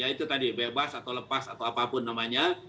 ya itu tadi bebas atau lepas atau apapun namanya